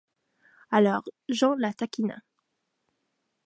Alors, Jean la taquina.